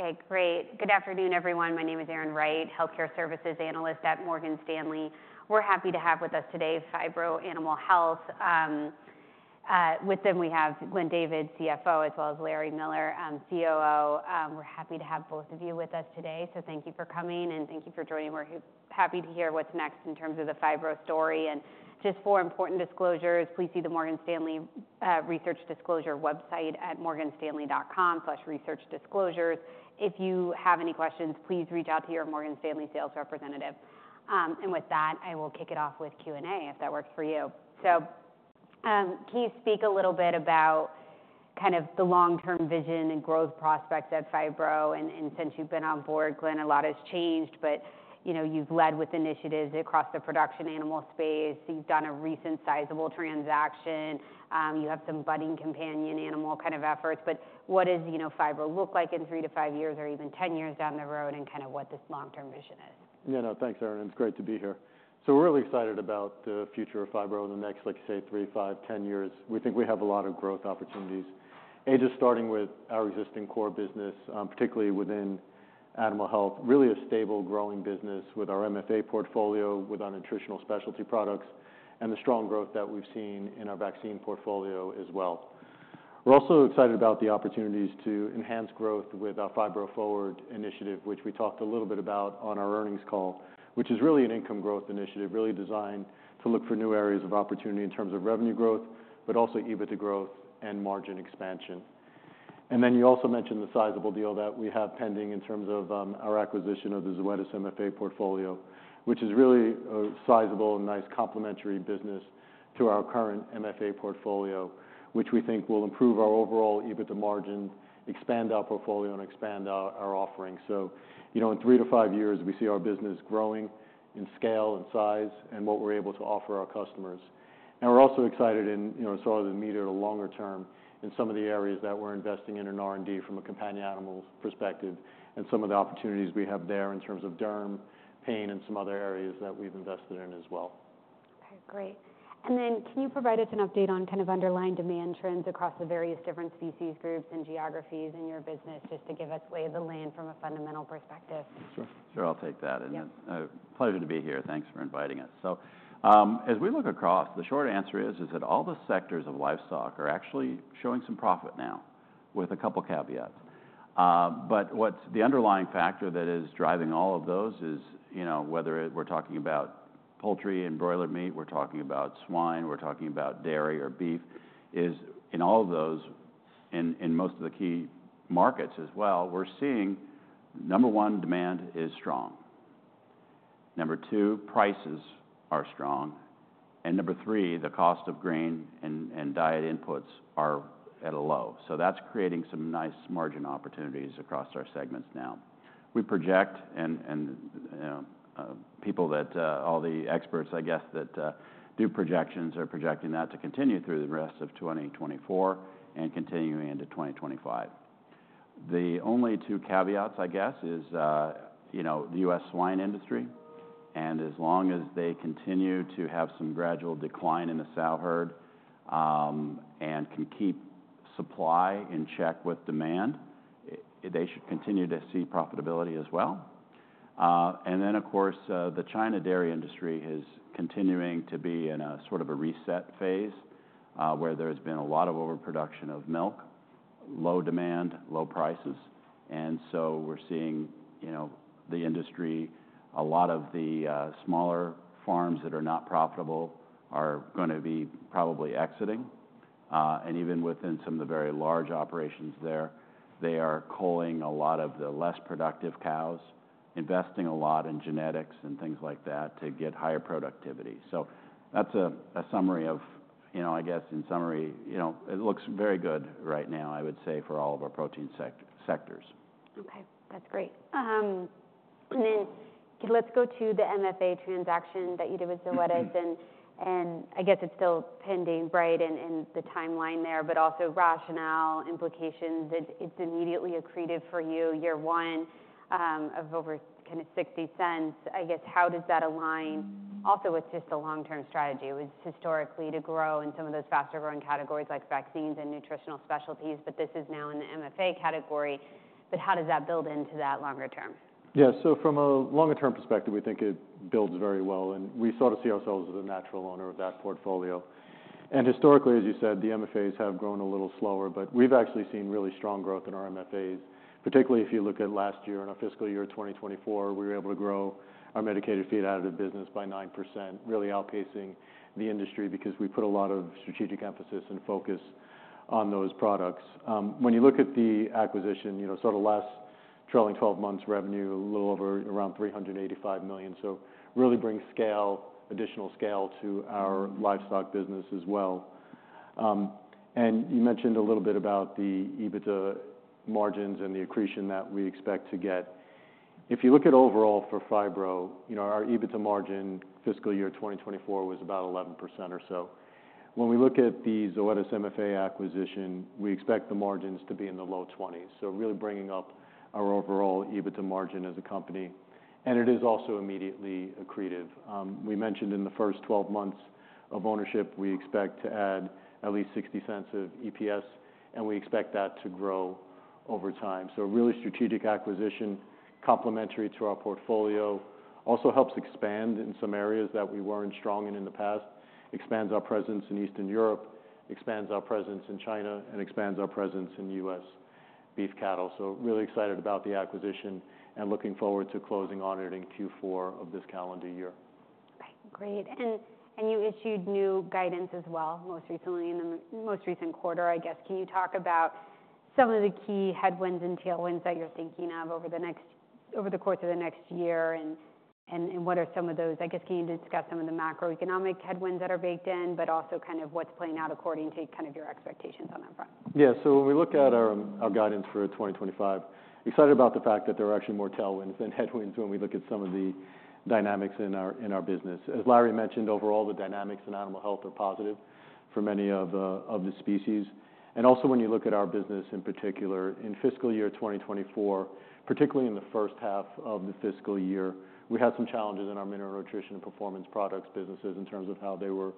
Okay, great. Good afternoon, everyone. My name is Erin Wright, Healthcare Services Analyst at Morgan Stanley. We're happy to have with us today, Phibro Animal Health. With them, we have Glenn David, CFO, as well as Larry Miller, COO. We're happy to have both of you with us today, so thank you for coming, and thank you for joining. We're happy to hear what's next in terms of the Phibro story, and just four important disclosures, please see the Morgan Stanley Research Disclosure website at morganstanley.com/researchdisclosures. If you have any questions, please reach out to your Morgan Stanley sales representative, and with that, I will kick it off with Q&A, if that works for you, so can you speak a little bit about kind of the long-term vision and growth prospects at Phibro? Since you've been on board, Glenn, a lot has changed, but you know, you've led with initiatives across the production animal space. You've done a recent sizable transaction. You have some budding companion animal kind of efforts, but what does, you know, Phibro look like in three-five years, or even ten years down the road, and kind of what this long-term vision is? Yeah, no, thanks, Erin. It's great to be here, so we're really excited about the future of Phibro in the next, like you say, three, five, ten years. We think we have a lot of growth opportunities. A, just starting with our existing core business, particularly within animal health. Really a stable, growing business with our MFA portfolio, with our nutritional specialty products, and the strong growth that we've seen in our vaccine portfolio as well. We're also excited about the opportunities to enhance growth with our Phibro Forward initiative, which we talked a little bit about on our earnings call, which is really an income growth initiative, really designed to look for new areas of opportunity in terms of revenue growth, but also EBITDA growth and margin expansion. Then you also mentioned the sizable deal that we have pending in terms of our acquisition of the Zoetis MFA portfolio, which is really a sizable and nice complementary business to our current MFA portfolio, which we think will improve our overall EBITDA margin, expand our portfolio, and expand our offerings. You know, in three to five years, we see our business growing in scale and size and what we're able to offer our customers. We're also excited in you know, sort of the medium to longer term in some of the areas that we're investing in, in R&D from a companion animals perspective, and some of the opportunities we have there in terms of derm, pain, and some other areas that we've invested in as well. Okay, great. And then, can you provide us an update on kind of underlying demand trends across the various different species groups and geographies in your business, just to give us lay of the land from a fundamental perspective? Sure. Sure, I'll take that. Yeah. Pleasure to be here. Thanks for inviting us. As we look across, the short answer is that all the sectors of livestock are actually showing some profit now, with a couple caveats. What's the underlying factor that is driving all of those? You know, whether we're talking about poultry and broiler meat, we're talking about swine, we're talking about dairy or beef, is in all of those, in most of the key markets as well, we're seeing, number one, demand is strong. Number two, prices are strong. And number three, the cost of grain and diet inputs are at a low. That's creating some nice margin opportunities across our segments now. We project and people that, all the experts, I guess, that do projections are projecting that to continue through the rest of 2024 and continuing into 2025. The only two caveats, I guess, is, you know, the U.S. swine industry, and as long as they continue to have some gradual decline in the sow herd, and can keep supply in check with demand, they should continue to see profitability as well. Then, of course, the China dairy industry is continuing to be in a sort of a reset phase, where there's been a lot of overproduction of milk, low demand, low prices, and so we're seeing, you know, the industry, a lot of the smaller farms that are not profitable are gonna be probably exiting. And even within some of the very large operations there, they are culling a lot of the less productive cows, investing a lot in genetics and things like that to get higher productivity. So that's a summary of, you know, I guess, in summary, you know, it looks very good right now, I would say, for all of our protein sectors. Okay, that's great. And then let's go to the MFA transaction that you did with Zoetis. And I guess it's still pending, right, in the timeline there, but also rationale, implications. It's immediately accretive for you, year one, of over kind of $0.60. I guess, how does that align also with just the long-term strategy, which historically to grow in some of those faster-growing categories like vaccines and nutritional specialties, but this is now in the MFA category, but how does that build into that longer term? Yeah. So from a longer-term perspective, we think it builds very well, and we sort of see ourselves as a natural owner of that portfolio. And historically, as you said, the MFAs have grown a little slower, but we've actually seen really strong growth in our MFAs, particularly if you look at last year. In our fiscal year 2024, we were able to grow our medicated feed additive business by 9%, really outpacing the industry because we put a lot of strategic emphasis and focus on those products. When you look at the acquisition, you know, sort of last trailing twelve months revenue, a little over around $385 million. So really brings scale, additional scale to our livestock business as well. And you mentioned a little bit about the EBITDA margins and the accretion that we expect to get. If you look at overall for Phibro, you know, our EBITDA margin fiscal year 2024 was about 11% or so. When we look at the Zoetis MFA acquisition, we expect the margins to be in the low twenties, so really bringing up our overall EBITDA margin as a company, and it is also immediately accretive. We mentioned in the first 12 months of ownership, we expect to add at least $0.60 of EPS... and we expect that to grow over time. So a really strategic acquisition, complementary to our portfolio, also helps expand in some areas that we weren't strong in, in the past. Expands our presence in Eastern Europe, expands our presence in China, and expands our presence in U.S. beef cattle. So really excited about the acquisition, and looking forward to closing on it in Q4 of this calendar year. Okay, great. And, and you issued new guidance as well, most recently in the most recent quarter, I guess. Can you talk about some of the key headwinds and tailwinds that you're thinking of over the course of the next year, and, and, and what are some of those? I guess, can you discuss some of the macroeconomic headwinds that are baked in, but also kind of what's playing out according to kind of your expectations on that front? Yeah. So when we look at our guidance for twenty twenty-five, excited about the fact that there are actually more tailwinds than headwinds when we look at some of the dynamics in our business. As Larry mentioned, overall, the dynamics in animal health are positive for many of the species. And also, when you look at our business, in particular, in fiscal year twenty twenty-four, particularly in the first half of the fiscal year, we had some challenges in our mineral nutrition and performance products businesses in terms of how they were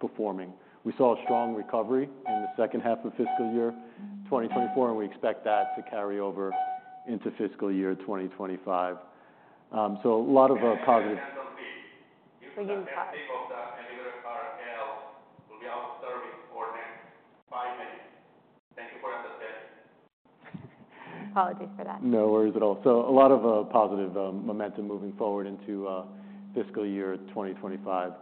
performing. We saw a strong recovery in the second half of fiscal year twenty twenty-four, and we expect that to carry over into fiscal year twenty twenty-five. So a lot of positive- Will be out of service for the next five minutes. Thank you for your understanding. Apologies for that. No worries at all. A lot of positive momentum moving forward into fiscal year 2025.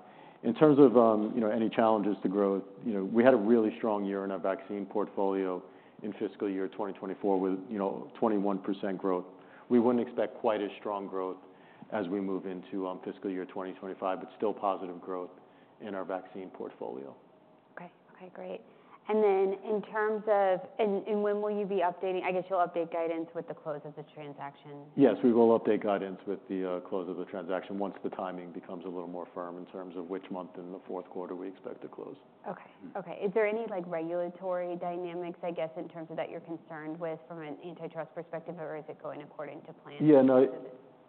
In terms of, you know, any challenges to growth, you know, we had a really strong year in our vaccine portfolio in fiscal year 2024 with, you know, 21% growth. We wouldn't expect quite as strong growth as we move into fiscal year 2025, but still positive growth in our vaccine portfolio. Okay. Okay, great. And when will you be updating? I guess you'll update guidance with the close of the transaction. Yes, we will update guidance with the close of the transaction once the timing becomes a little more firm in terms of which month in the fourth quarter we expect to close. Okay. Okay. Is there any, like, regulatory dynamics, I guess, in terms of that you're concerned with from an antitrust perspective, or is it going according to plan? Yeah, no,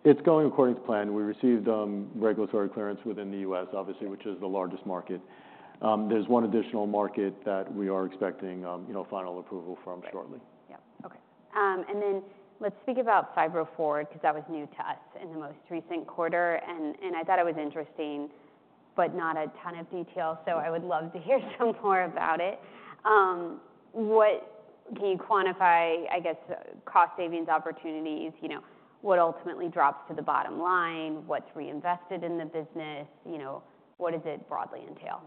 it's going according to plan. We received regulatory clearance within the U.S., obviously, which is the largest market. There's one additional market that we are expecting, you know, final approval from shortly. Yeah. Okay. And then let's speak about Phibro Forward, because that was new to us in the most recent quarter, and I thought it was interesting, but not a ton of detail, so I would love to hear some more about it. What can you quantify, I guess, cost savings opportunities, you know, what ultimately drops to the bottom line? What's reinvested in the business? You know, what does it broadly entail?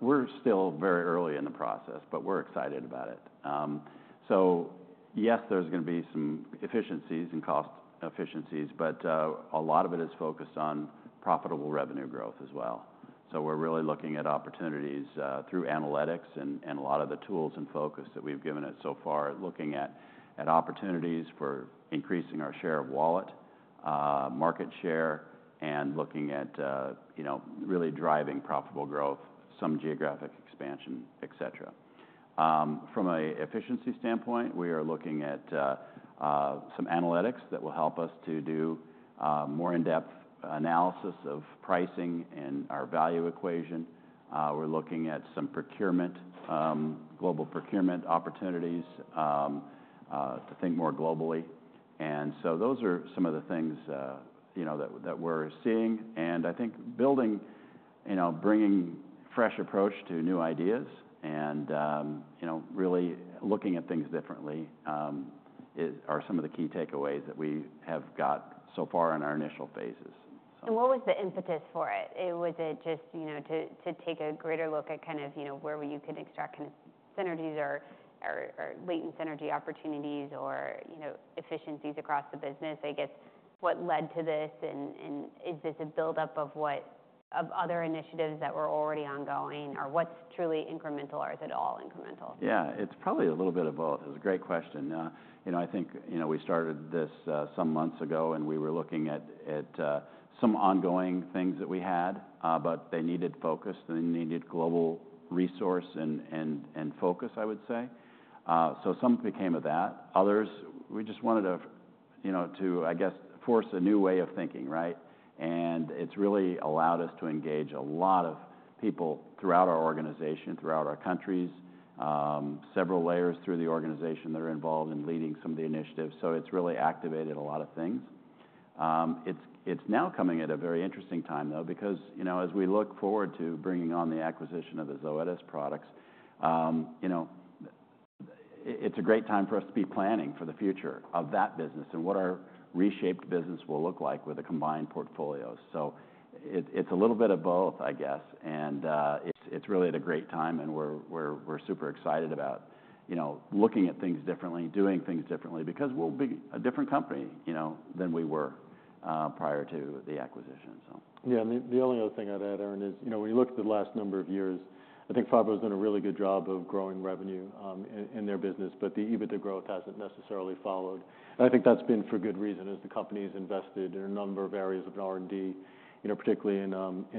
We're still very early in the process, but we're excited about it. Yes, there's going to be some efficiencies and cost efficiencies, but a lot of it is focused on profitable revenue growth as well. We're really looking at opportunities through analytics and a lot of the tools and focus that we've given it so far, looking at opportunities for increasing our share of wallet, market share, and looking at, you know, really driving profitable growth, some geographic expansion, et cetera. From an efficiency standpoint, we are looking at some analytics that will help us to do more in-depth analysis of pricing and our value equation. We're looking at some procurement, global procurement opportunities to think more globally. And so those are some of the things, you know, that we're seeing. And I think building, you know, bringing fresh approach to new ideas and, you know, really looking at things differently, is... are some of the key takeaways that we have got so far in our initial phases. So- And what was the impetus for it? Was it just, you know, to take a greater look at kind of, you know, where you could extract kind of synergies or latent synergy opportunities or, you know, efficiencies across the business? I guess, what led to this, and is this a buildup of what of other initiatives that were already ongoing, or what's truly incremental, or is it all incremental? Yeah, it's probably a little bit of both. It's a great question. You know, I think, you know, we started this some months ago, and we were looking at some ongoing things that we had, but they needed focus, they needed global resource and focus, I would say. So something became of that. Others, we just wanted to, you know, to, I guess, force a new way of thinking, right? And it's really allowed us to engage a lot of people throughout our organization, throughout our countries, several layers through the organization that are involved in leading some of the initiatives. So it's really activated a lot of things. It's now coming at a very interesting time, though, because, you know, as we look forward to bringing on the acquisition of the Zoetis products, you know, it's a great time for us to be planning for the future of that business and what our reshaped business will look like with a combined portfolio. So it's a little bit of both, I guess. It's really at a great time, and we're super excited about, you know, looking at things differently, doing things differently, because we'll be a different company, you know, than we were prior to the acquisition, so. Yeah. The only other thing I'd add, Erin, is, you know, when you look at the last number of years, I think Phibro's done a really good job of growing revenue in their business, but the EBITDA growth hasn't necessarily followed. And I think that's been for good reason, as the company's invested in a number of areas of R&D, you know, particularly in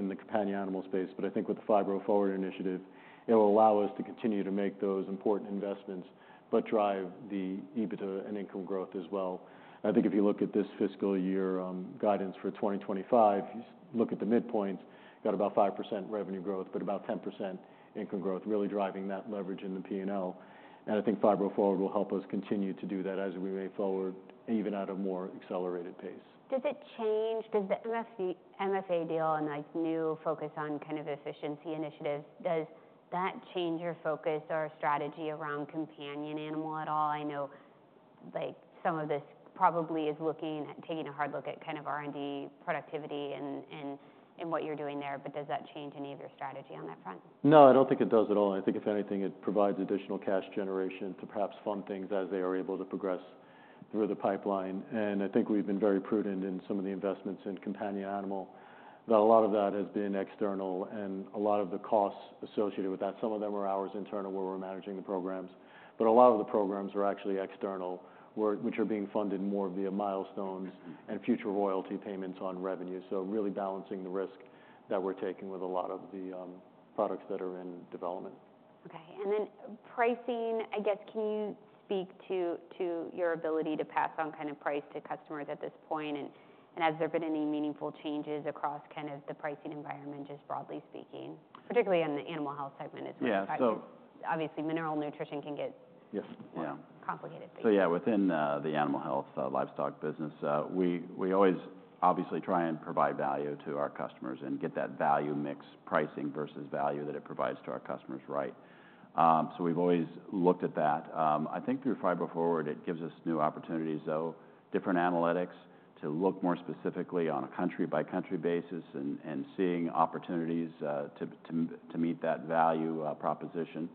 the companion animal space. But I think with the Phibro Forward initiative, it will allow us to continue to make those important investments, but drive the EBITDA and income growth as well. I think if you look at this fiscal year guidance for 2025, if you look at the midpoint, got about 5% revenue growth, but about 10% income growth, really driving that leverage in the P&L. I think Phibro Forward will help us continue to do that as we move forward, even at a more accelerated pace. Does the MFA deal and, like, new focus on kind of efficiency initiatives, does that change your focus or strategy around companion animal at all? I know like some of this probably is looking at taking a hard look at kind of R&D productivity and what you're doing there, but does that change any of your strategy on that front? No, I don't think it does at all. I think, if anything, it provides additional cash generation to perhaps fund things as they are able to progress through the pipeline. I think we've been very prudent in some of the investments in companion animal, that a lot of that has been external and a lot of the costs associated with that. Some of them are ours internal, where we're managing the programs, but a lot of the programs are actually external, which are being funded more via milestones and future royalty payments on revenue. So really balancing the risk that we're taking with a lot of the products that are in development. Okay. And then pricing, I guess, can you speak to your ability to pass on kind of price to customers at this point? And has there been any meaningful changes across kind of the pricing environment, just broadly speaking, particularly in the animal health segment as well? Yeah, so- Obviously, mineral nutrition can get- Yes. Yeah. More complicated. So yeah, within the animal health livestock business, we always obviously try and provide value to our customers and get that value mix, pricing versus value that it provides to our customers right. So we've always looked at that. I think through Phibro Forward, it gives us new opportunities, though, different analytics to look more specifically on a country-by-country basis and seeing opportunities to meet that value proposition.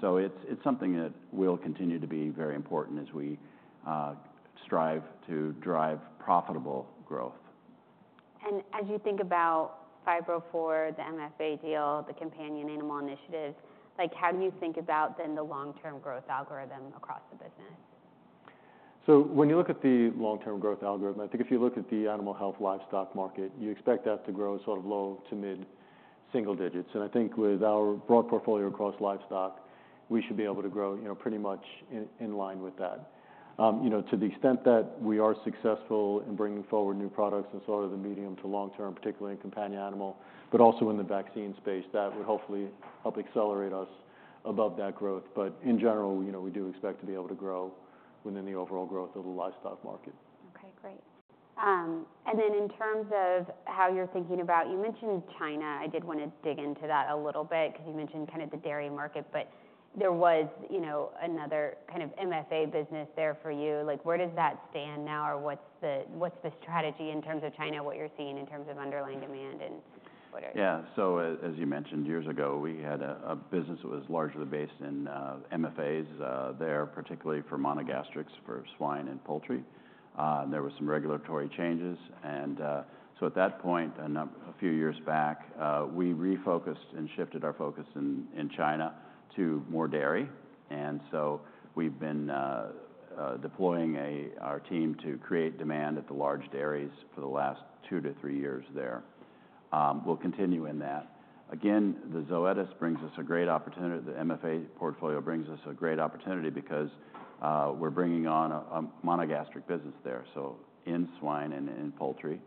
So it's something that will continue to be very important as we strive to drive profitable growth. As you think about Phibro Forward, the MFA deal, the companion animal initiatives, like, how do you think about then the long-term growth algorithm across the business? So when you look at the long-term growth algorithm, I think if you look at the animal health livestock market, you expect that to grow sort of low- to mid-single digits. And I think with our broad portfolio across livestock, we should be able to grow, you know, pretty much in line with that. You know, to the extent that we are successful in bringing forward new products in sort of the medium to long term, particularly in companion animal, but also in the vaccine space, that would hopefully help accelerate us above that growth. But in general, you know, we do expect to be able to grow within the overall growth of the livestock market. Okay, great. And then in terms of how you're thinking about... You mentioned China, I did want to dig into that a little bit because you mentioned kind of the dairy market, but there was, you know, another kind of MFA business there for you. Like, where does that stand now? Or what's the strategy in terms of China, what you're seeing in terms of underlying demand and what are- Yeah. So as you mentioned, years ago, we had a business that was largely based in MFAs there, particularly for monogastrics, for swine and poultry, and there were some regulatory changes. And so at that point, a few years back, we refocused and shifted our focus in China to more dairy. And so we've been deploying our team to create demand at the large dairies for the last two to three years there. We'll continue in that. Again, the Zoetis brings us a great opportunity. The MFA portfolio brings us a great opportunity because we're bringing on a monogastric business there, so in swine and in poultry,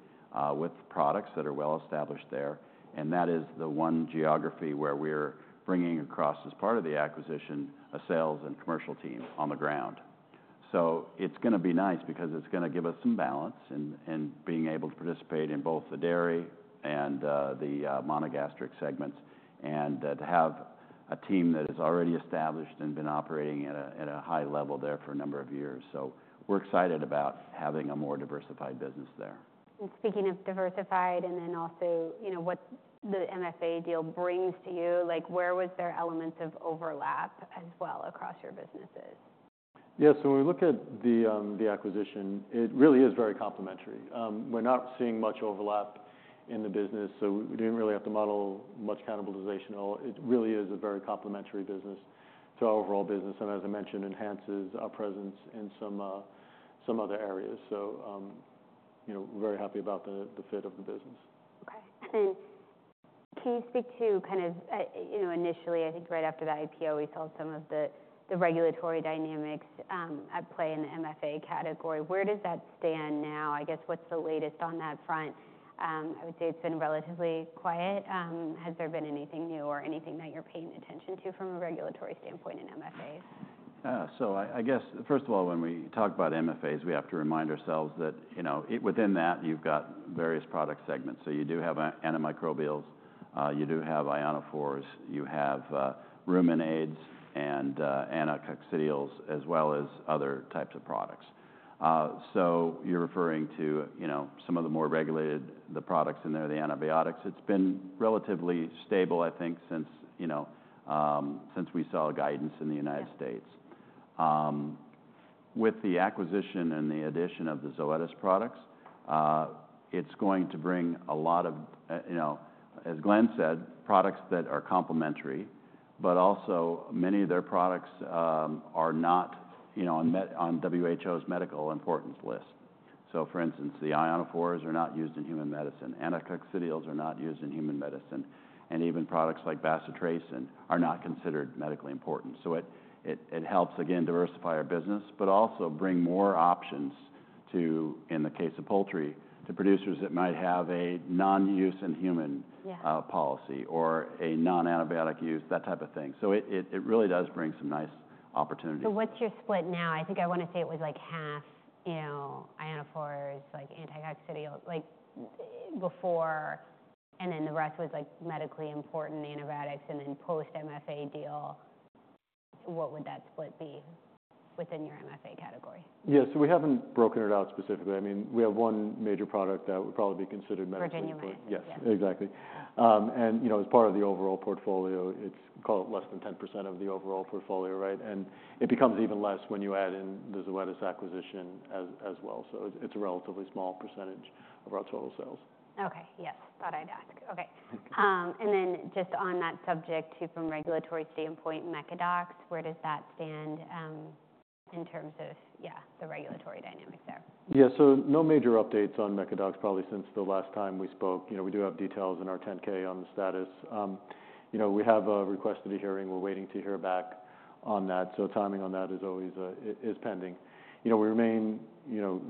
with products that are well established there. And that is the one geography where we're bringing across, as part of the acquisition, a sales and commercial team on the ground. So it's gonna be nice because it's gonna give us some balance in being able to participate in both the dairy and the monogastric segments, and to have a team that is already established and been operating at a high level there for a number of years. So we're excited about having a more diversified business there. Speaking of diversified and then also, you know, what the MFA deal brings to you, like, where was there elements of overlap as well across your businesses? Yeah, so when we look at the acquisition, it really is very complementary. We're not seeing much overlap in the business, so we didn't really have to model much cannibalization at all. It really is a very complementary business to our overall business, and as I mentioned, enhances our presence in some other areas, so you know, we're very happy about the fit of the business. Okay. And can you speak to kind of, you know, initially, I think right after the IPO, we saw some of the regulatory dynamics at play in the MFA category. Where does that stand now? I guess, what's the latest on that front? I would say it's been relatively quiet. Has there been anything new or anything that you're paying attention to from a regulatory standpoint in MFAs? So I guess, first of all, when we talk about MFAs, we have to remind ourselves that, you know, within that, you've got various product segments. So you do have antimicrobials, you do have ionophores, you have ruminants and anticoccidials, as well as other types of products. So you're referring to, you know, some of the more regulated the products in there, the antibiotics. It's been relatively stable, I think, since, you know, since we saw guidance in the United States. With the acquisition and the addition of the Zoetis products, it's going to bring a lot of, you know, as Glenn said, products that are complementary, but also many of their products are not, you know, on WHO's medical importance list. So for instance, the ionophores are not used in human medicine. Anticoccidials are not used in human medicine, and even products like bacitracin are not considered medically important. So it helps, again, diversify our business, but also bring more options to, in the case of poultry, to producers that might have a non-use in human- Yeah Policy or a non-antibiotic use, that type of thing. So it really does bring some nice opportunities. So what's your split now? I think I want to say it was like half, you know, ionophores, like anticoccidial, and then the rest was, like, medically important antibiotics, and then post MFA deal, what would that split be within your MFA category? Yes, so we haven't broken it out specifically. I mean, we have one major product that would probably be considered medically- virginiamycin. Yes, exactly. And, you know, as part of the overall portfolio, it's, call it, less than 10% of the overall portfolio, right? And it becomes even less when you add in the Zoetis acquisition as well. So it's a relatively small percentage of our total sales. Okay. Yes, thought I'd ask. Okay. And then just on that subject, too, from a regulatory standpoint, Mecadox, where does that stand in terms of, yeah, the regulatory dynamic there? Yeah. So no major updates on Mecadox, probably since the last time we spoke. You know, we do have details in our 10-K on the status. You know, we have requested a hearing. We're waiting to hear back on that. So timing on that is always pending. You know, we remain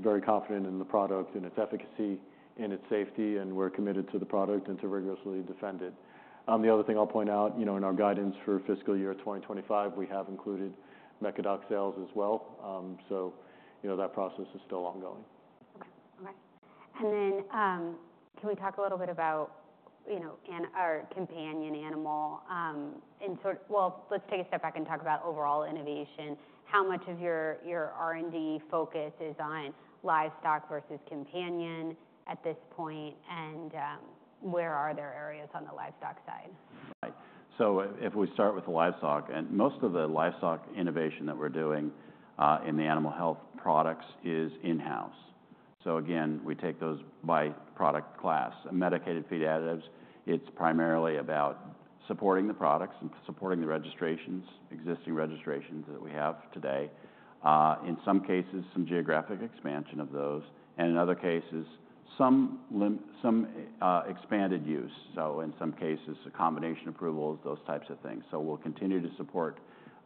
very confident in the product and its efficacy and its safety, and we're committed to the product and to rigorously defend it. The other thing I'll point out, you know, in our guidance for fiscal year 2025, we have included Mecadox sales as well. So, you know, that process is still ongoing. Okay. Okay. And then, can we talk a little bit about, you know, and our companion animal. Let's take a step back and talk about overall innovation. How much of your R&D focus is on livestock versus companion at this point, and where are there areas on the livestock side? Right. So if we start with the livestock, and most of the livestock innovation that we're doing in the animal health products is in-house. So again, we take those by product class. Medicated feed additives, it's primarily about supporting the products and supporting the registrations, existing registrations that we have today. In some cases, some geographic expansion of those, and in other cases, some expanded use. So in some cases, the combination approvals, those types of things. So we'll continue to support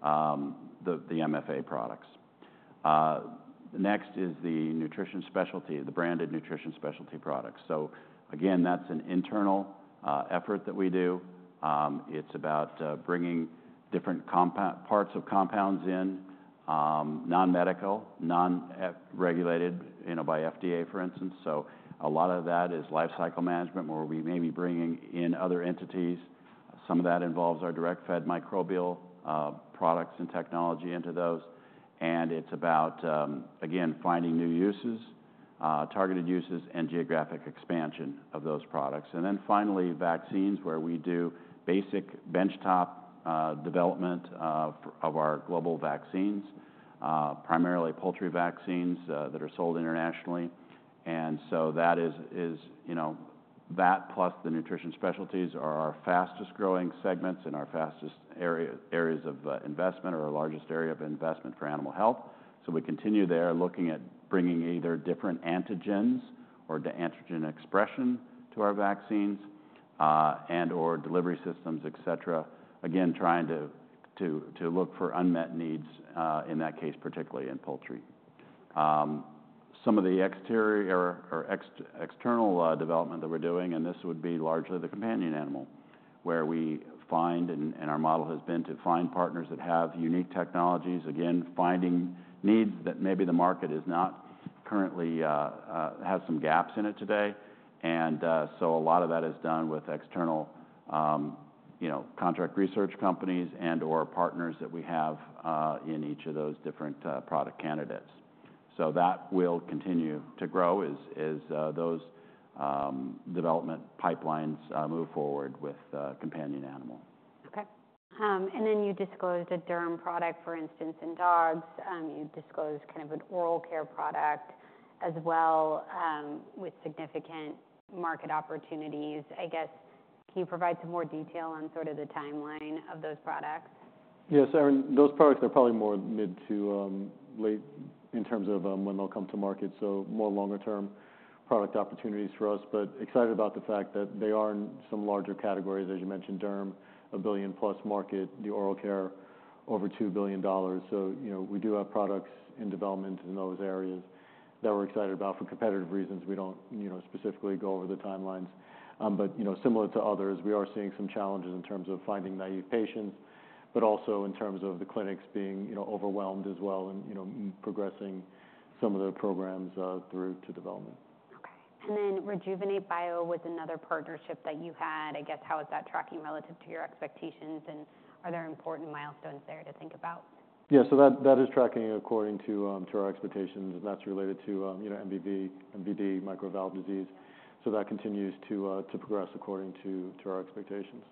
the MFA products. Next is the nutrition specialty, the branded nutrition specialty products. So again, that's an internal effort that we do. It's about bringing different parts of compounds in, non-medical, non-EPA-regulated, you know, by FDA, for instance. So a lot of that is lifecycle management, where we may be bringing in other entities. Some of that involves our direct-fed microbials products and technology into those, and it's about, again, finding new uses, targeted uses, and geographic expansion of those products. And then finally, vaccines, where we do basic benchtop development of our global vaccines, primarily poultry vaccines, that are sold internationally. And so that is, you know, that plus the nutrition specialties are our fastest-growing segments and our fastest areas of investment or our largest area of investment for animal health. So we continue there, looking at bringing either different antigens or the antigen expression to our vaccines, and/or delivery systems, et cetera. Again, trying to look for unmet needs, in that case, particularly in poultry. Some of the external development that we're doing, and this would be largely the companion animal, where we find, and our model has been to find partners that have unique technologies, again, finding needs that maybe the market is not currently has some gaps in it today. And so a lot of that is done with external, you know, contract research companies and/or partners that we have in each of those different product candidates. So that will continue to grow as those development pipelines move forward with companion animal. Okay. And then you disclosed a derm product, for instance, in dogs. You disclosed kind of an oral care product as well, with significant market opportunities. I guess, can you provide some more detail on sort of the timeline of those products? Yes, Erin, those products are probably more mid to late in terms of when they'll come to market, so more longer-term product opportunities for us. But excited about the fact that they are in some larger categories. As you mentioned, derm, a $1 billion-plus market, the oral care, over $2 billion. So, you know, we do have products in development in those areas that we're excited about. For competitive reasons, we don't, you know, specifically go over the timelines. But, you know, similar to others, we are seeing some challenges in terms of finding naive patients, but also in terms of the clinics being, you know, overwhelmed as well and, you know, progressing some of the programs through to development. Okay. And then Rejuvenate Bio was another partnership that you had. I guess, how is that tracking relative to your expectations, and are there important milestones there to think about? Yeah. So that is tracking according to our expectations, and that's related to, you know, MVD, mitral valve disease. So that continues to progress according to our expectations.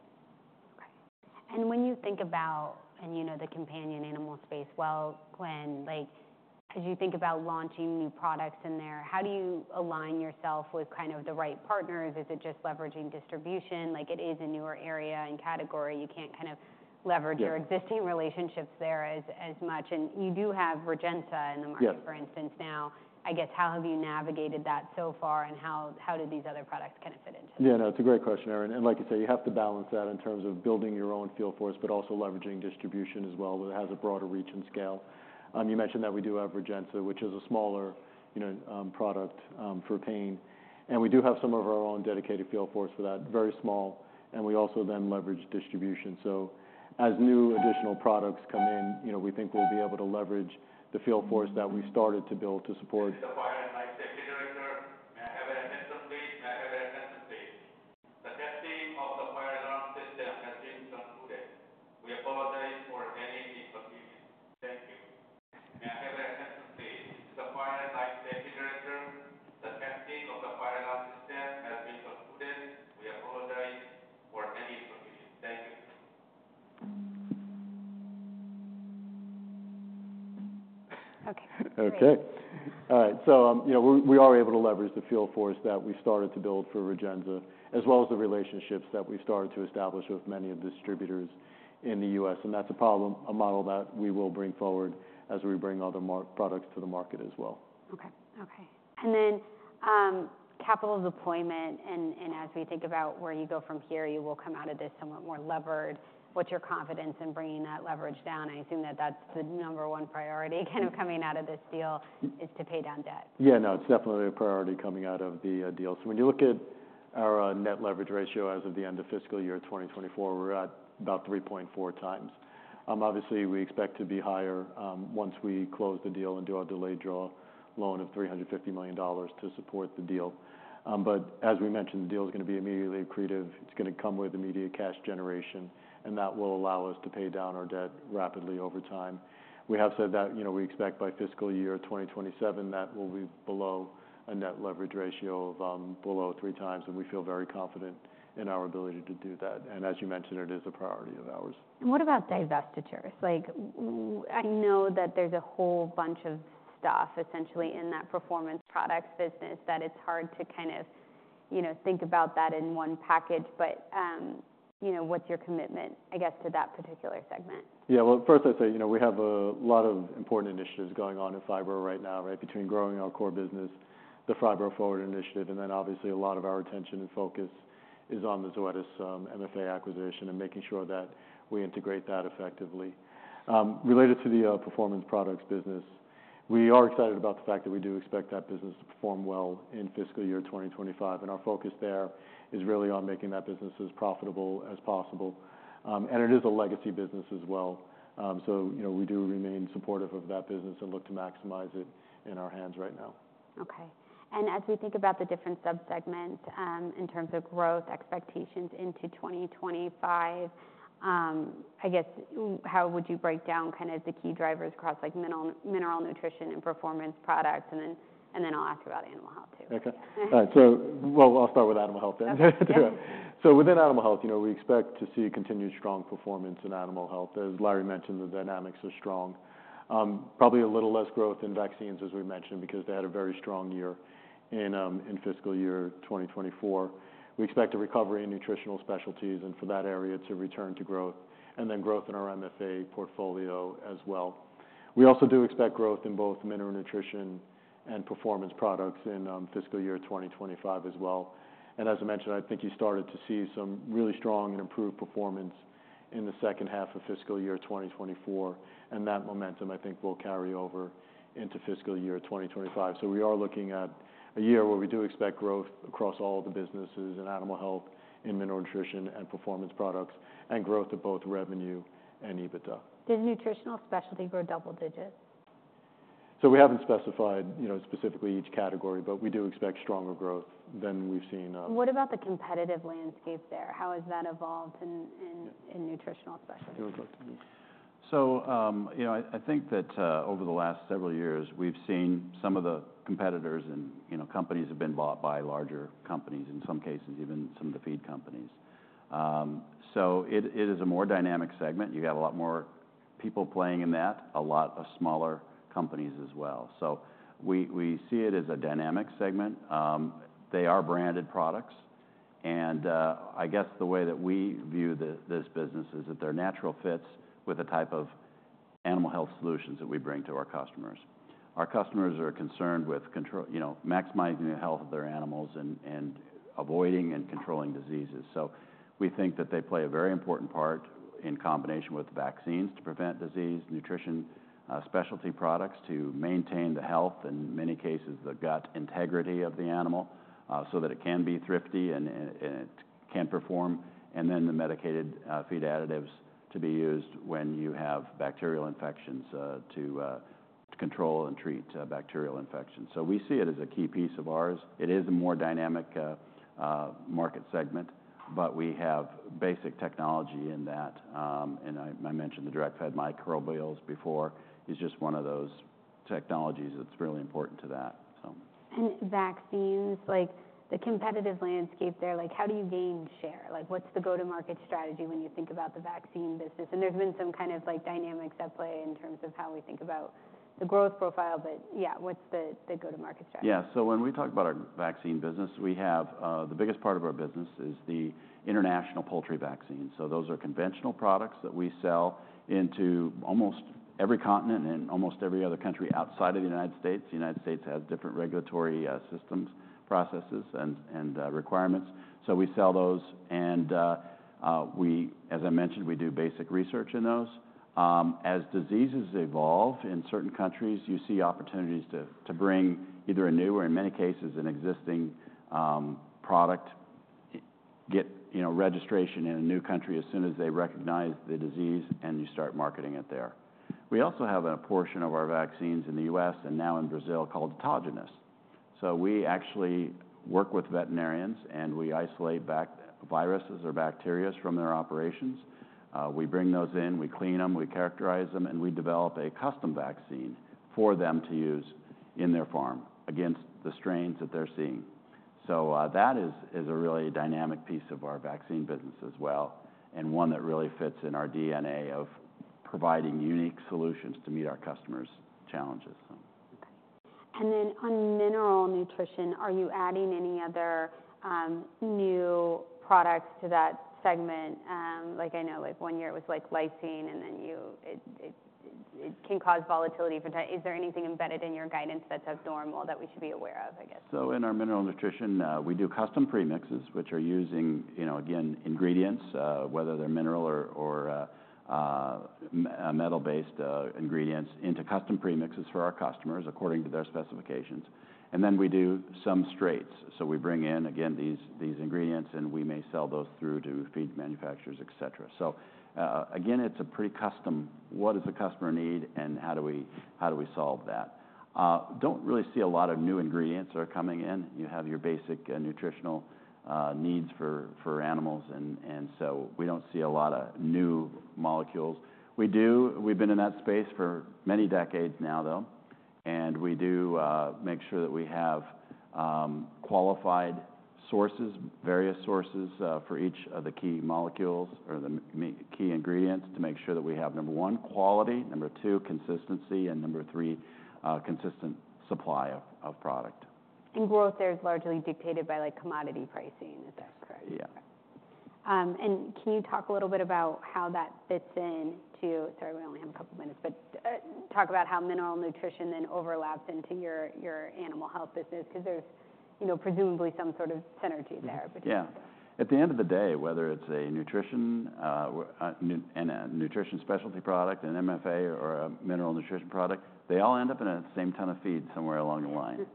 Okay. And when you think about, and you know the companion animal space well, Glenn, like, as you think about launching new products in there, how do you align yourself with kind of the right partners? Is it just leveraging distribution? Like, it is a newer area and category. You can't kind of leverage- Yeah Your existing relationships there as much, and you do have Relevium in the market- Yes... for instance, now. I guess, how have you navigated that so far, and how, how do these other products kind of fit into that? Yeah, no, it's a great question, Erin, and like you say, you have to balance that in terms of building your own field force, but also leveraging distribution as well, where it has a broader reach and scale. You mentioned that we do have Relevium, which is a smaller, you know, product for pain, and we do have some of our own dedicated field force for that. Very small, and we also then leverage distribution. So as new additional products come in, you know, we think we'll be able to leverage the field force that we started to build to support... Thank you. May I have your attention please? The fire life safety director, the testing of the fire alarm system has been concluded. We apologize for any inconvenience. Thank you. Okay. Okay. All right, so, you know, we are able to leverage the field force that we started to build for Relevium, as well as the relationships that we've started to establish with many of the distributors in the U.S., and that's a model that we will bring forward as we bring other products to the market as well. Okay. And then, capital deployment, and as we think about where you go from here, you will come out of this somewhat more levered. What's your confidence in bringing that leverage down? I assume that that's the number one priority, kind of, coming out of this deal, is to pay down debt. Yeah, no, it's definitely a priority coming out of the deal. So when you look at our net leverage ratio as of the end of fiscal year 2024, we're at about 3.4x. Obviously, we expect to be higher once we close the deal and do our delayed draw loan of $350 million to support the deal. But as we mentioned, the deal is going to be immediately accretive. It's going to come with immediate cash generation, and that will allow us to pay down our debt rapidly over time. We have said that, you know, we expect by fiscal year 2027, that we'll be below a net leverage ratio of below 3x, and we feel very confident in our ability to do that. And as you mentioned, it is a priority of ours. And what about divestitures? Like, I know that there's a whole bunch of stuff essentially in that performance products business, that it's hard to kind of, you know, think about that in one package. But, you know, what's your commitment, I guess, to that particular segment? Yeah. Well, first I'd say, you know, we have a lot of important initiatives going on in Phibro right now, right? Between growing our core business, the Phibro Forward initiative, and then obviously a lot of our attention and focus is on the Zoetis MFA acquisition and making sure that we integrate that effectively. Related to the performance products business, we are excited about the fact that we do expect that business to perform well in fiscal year 2025, and our focus there is really on making that business as profitable as possible, and it is a legacy business as well, so, you know, we do remain supportive of that business and look to maximize it in our hands right now. Okay. And as we think about the different subsegments, in terms of growth expectations into 2025, I guess how would you break down kind of the key drivers across, like, mineral nutrition and performance products? And then I'll ask you about animal health, too. Okay. All right. So, well, I'll start with animal health then. Okay. Yeah. So within animal health, you know, we expect to see a continued strong performance in animal health. As Larry mentioned, the dynamics are strong. Probably a little less growth in vaccines, as we mentioned, because they had a very strong year in fiscal year 2024. We expect a recovery in nutritional specialties and for that area to return to growth, and then growth in our MFA portfolio as well. We also do expect growth in both mineral nutrition and performance products in fiscal year 2025 as well. And as I mentioned, I think you started to see some really strong and improved performance in the second half of fiscal year 2024, and that momentum, I think, will carry over into fiscal year 2025. We are looking at a year where we do expect growth across all the businesses in animal health, in mineral nutrition and performance products, and growth of both revenue and EBITDA. Did nutritional specialty grow double digits? So we haven't specified, you know, specifically each category, but we do expect stronger growth than we've seen. What about the competitive landscape there? How has that evolved in nutritional specialties? You would like to... So, you know, I think that over the last several years, we've seen some of the competitors and, you know, companies have been bought by larger companies, in some cases, even some of the feed companies. So it is a more dynamic segment. You got a lot more people playing in that, a lot of smaller companies as well. So we see it as a dynamic segment. They are branded products, and I guess the way that we view this business is that they're natural fits with the type of animal health solutions that we bring to our customers. Our customers are concerned with control. You know, maximizing the health of their animals and avoiding and controlling diseases. So we think that they play a very important part in combination with vaccines to prevent disease, nutrition, specialty products to maintain the health, in many cases, the gut integrity of the animal, so that it can be thrifty and it can perform, and then the medicated feed additives to be used when you have bacterial infections, to control and treat bacterial infections. So we see it as a key piece of ours. It is a more dynamic market segment, but we have basic technology in that. And I mentioned the direct-fed microbials before, is just one of those technologies that's really important to that, so. And vaccines, like, the competitive landscape there, like, how do you gain share? Like, what's the go-to-market strategy when you think about the vaccine business? And there's been some kind of, like, dynamics at play in terms of how we think about the growth profile, but yeah, what's the go-to-market strategy? Yeah. So when we talk about our vaccine business, we have the biggest part of our business is the international poultry vaccine. So those are conventional products that we sell into almost every continent and almost every other country outside of the United States. The United States has different regulatory systems, processes, and requirements. So we sell those, and as I mentioned, we do basic research in those. As diseases evolve in certain countries, you see opportunities to bring either a new or, in many cases, an existing product, get you know, registration in a new country as soon as they recognize the disease, and you start marketing it there. We also have a portion of our vaccines in the U.S., and now in Brazil, called autogenous. We actually work with veterinarians, and we isolate bacteria, viruses, or bacteria from their operations. We bring those in, we clean them, we characterize them, and we develop a custom vaccine for them to use in their farm against the strains that they're seeing. That is a really dynamic piece of our vaccine business as well, and one that really fits in our DNA of providing unique solutions to meet our customers' challenges. Okay. And then on mineral nutrition, are you adding any other, new products to that segment? Like, I know, like, one year it was like lysine, and then it can cause volatility. But is there anything embedded in your guidance that's abnormal that we should be aware of, I guess? In our mineral nutrition, we do custom premixes, which are using, you know, again, ingredients, whether they're mineral or metal-based ingredients into custom premixes for our customers according to their specifications, and then we do some straights, so we bring in, again, these ingredients, and we may sell those through to feed manufacturers, et cetera. Again, it's a pretty custom, what does the customer need, and how do we solve that? Don't really see a lot of new ingredients are coming in. You have your basic nutritional needs for animals, and so we don't see a lot of new molecules. We've been in that space for many decades now, though, and we do make sure that we have qualified sources, various sources for each of the key molecules or the key ingredients to make sure that we have, number one, quality, number two, consistency, and number three, consistent supply of product. Growth there is largely dictated by, like, commodity pricing. Is that correct? Yeah. Can you talk a little bit about how that fits in to... Sorry, we only have a couple minutes, but talk about how mineral nutrition then overlaps into your animal health business, because there's, you know, presumably some sort of synergy there between them. Yeah. At the end of the day, whether it's a nutrition and a nutrition specialty product, an MFA or a mineral nutrition product, they all end up in the same ton of feed somewhere along the line,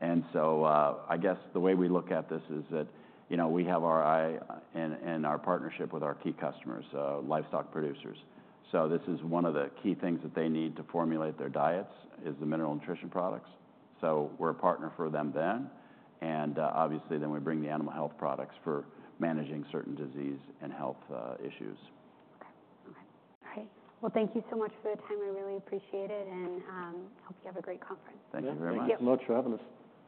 and so I guess the way we look at this is that, you know, we have our eye on our partnership with our key customers, livestock producers, so this is one of the key things that they need to formulate their diets, is the mineral nutrition products, so we're a partner for them then, and obviously then we bring the animal health products for managing certain disease and health issues. Okay. Okay. All right. Well, thank you so much for the time. I really appreciate it, and hope you have a great conference. Thank you very much. Yeah. Thank you. Good luck traveling.